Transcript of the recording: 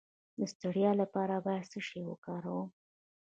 د ستړیا لپاره باید څه شی وکاروم؟